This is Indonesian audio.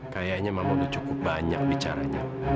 kayaknya memang udah cukup banyak bicaranya